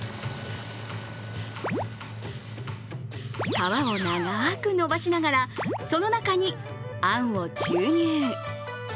皮を長く伸ばしながらその中にあんを注入。